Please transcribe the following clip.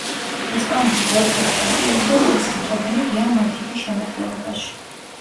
ესპანეთის ორგზის ჩემპიონი და თასის მფლობელი „რეალ მადრიდის“ შემადგენლობაში.